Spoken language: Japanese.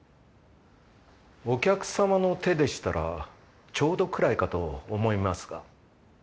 お客様の手でしたらちょうどくらいかと思いますが。